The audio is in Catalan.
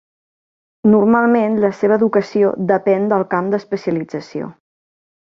Normalment la seva educació depèn del camp d'especialització.